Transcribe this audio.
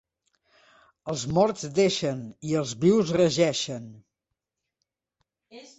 Els morts deixen i els vius regeixen.